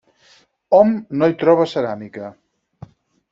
Hom no hi troba ceràmica.